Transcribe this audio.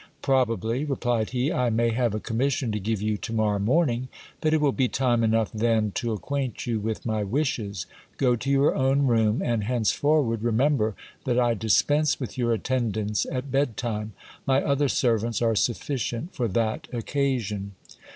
Probably, replied he, I may have a commission to give you to morrow morning ; but it will be time enough then to acquaint you with my wishes. Go to your own room ; and henceforward re GIL SEAS' REFLECTIONS UPON HIS CONDUCT. 253 member that I dispense with your attendance at bed time ; my other servants are sufficient for that occasion.